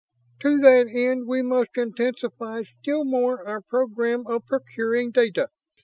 "To that end we must intensify still more our program of procuring data.